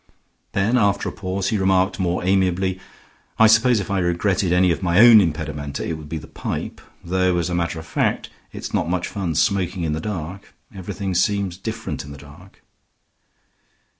Then after a pause he remarked, more amiably: "I suppose if I regretted any of my own impedimenta, it would be the pipe. Though, as a matter of fact, it's not much fun smoking in the dark. Everything seems different in the dark."